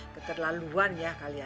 keterlaluan ya kalian